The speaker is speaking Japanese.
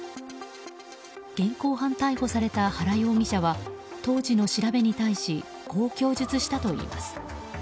現行犯逮捕された原容疑者は当時の調べに対しこう供述したといいます。